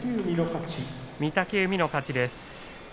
御嶽海の勝ちです。